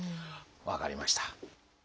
分かりました。